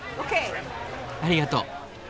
ありがとう。